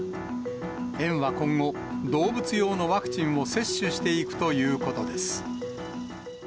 園は今後、動物用のワクチンを接種していくということです。